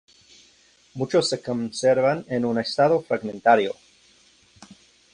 Muchos se conservan en un estado fragmentario.